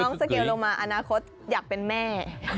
สเกลลงมาอนาคตอยากเป็นแม่